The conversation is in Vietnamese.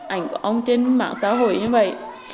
ảnh của ông trên mạng xã hội như vậy